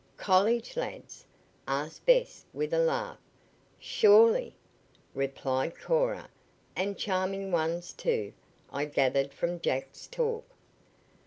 "College lads?" asked Bess with a laugh. "Surely," replied Cora; "and charming ones, too, I gathered from Jack's talk."